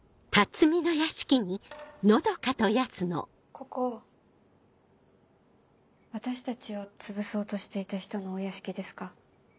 ここ私たちを潰そうとしていた人のお屋敷ですか？